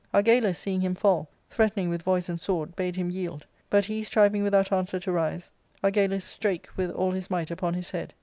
Argalus, seeing him fall, threatening with voice and sword, bade him yield. But he striving without answer to rise, Argalus strake with all his might upon his head.